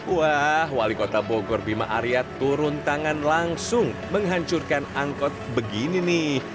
wah wali kota bogor bima arya turun tangan langsung menghancurkan angkot begini nih